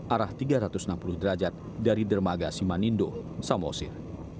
arah tiga ratus enam puluh derajat dari dermaga simanindo samosir